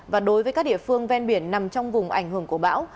và đối với các địa phương ven biển nằm trong vùng ảnh hưởng của bão